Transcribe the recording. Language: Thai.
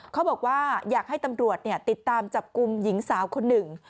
เขาบอกว่าอยากให้ตำรวจติดตามจับกลุ่มหญิงสาวคนหนึ่ง